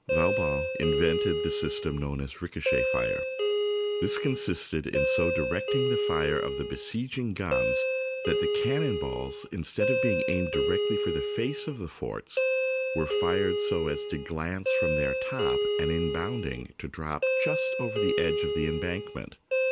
Vauban invented the system known as " ricochet fire." This consisted in so directing the fire of the besieging guns that the cannon balls, instead of being aimed directly at the face of the forts, were fired so as to glance from their top and in bounding to drop THE SIEGE OF ANTWERP just over the edge of the embankment.